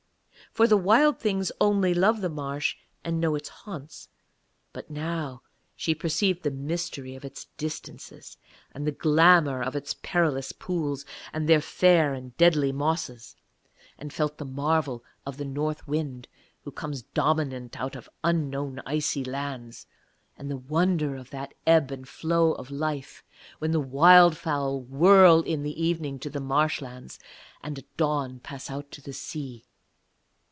For the Wild Things only love the marsh and know its haunts, but now she perceived the mystery of its distances and the glamour of its perilous pools, with their fair and deadly mosses, and felt the marvel of the North Wind who comes dominant out of unknown icy lands, and the wonder of that ebb and flow of life when the wildfowl whirl in at evening to the marshlands and at dawn pass out to sea.